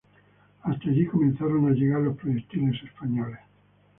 Hasta allí comenzaron a llegar los proyectiles españoles.